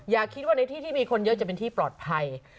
อย่าคิดว่าในที่ที่มีคนเยอะจะเป็นที่ปลอดภัย